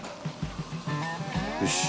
よし。